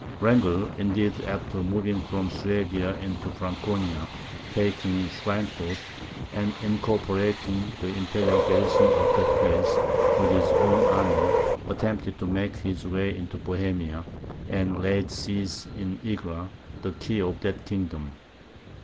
Wrangel, indeed, after moving from Suabia into Franconia, taking Schweinfurt, and incorporating the imperial garrison of that place with his own army, attempted to make his way into Bohemia, and laid siege to Egra, the key of that kingdom.